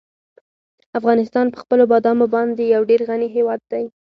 افغانستان په خپلو بادامو باندې یو ډېر غني هېواد دی.